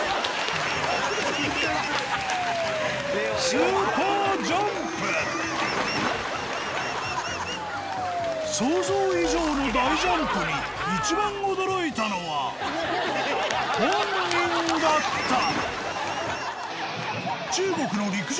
スーパージャンプ想像以上の大ジャンプに一番驚いたのは本人だった！